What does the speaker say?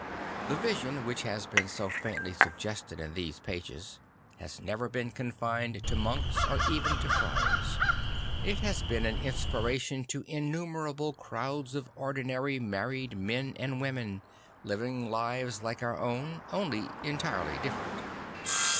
The vision which has been so faintly suggested in these pages has never been confined to monks or even to friars. I t has been an inspiration to innumerable crowds of ordinary married men and women; living lives like our own, only entirely different.